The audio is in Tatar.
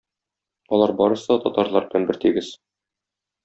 Алар барысы да татарлар белән бертигез.